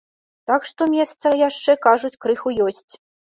Так што месца яшчэ, кажуць, крыху ёсць.